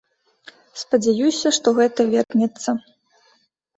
Спадзяюся, што гэта вернецца.